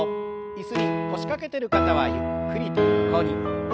椅子に腰掛けてる方はゆっくりと横に。